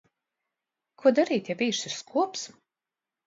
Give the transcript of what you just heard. Ko darīt, ja vīrs ir skops?